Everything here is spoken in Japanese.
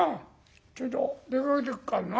ちょいと出かけてくっからな」。